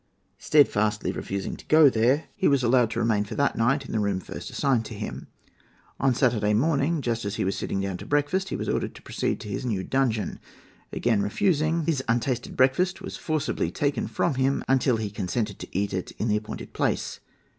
Stedfastly refusing to go there, he was allowed to remain for that night in the room, first assigned to him. On Saturday morning, just as he was sitting down to breakfast, he was ordered to proceed to his new dungeon. Again refusing, his untasted breakfast was forcibly taken from him until he consented to eat it in the appointed place.